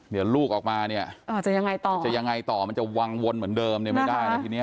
เดี๋ยวลูกออกมาจะยังไงต่อมันจะวางวนเหมือนเดิมไม่ได้แล้วทีนี้